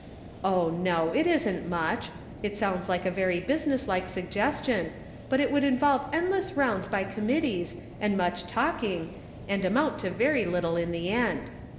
" Oh no, it isn't much ; it sounds like a very business like suggestion, but would involve end less rounds by committees, and much talking, and amount to very little in the end.